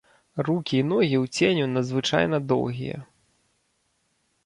Рукі і ногі ў ценю надзвычайна доўгія.